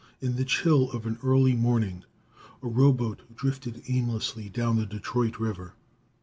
] In the chill of an early morning, a rowboat drifted aimlessly down the Detroit River.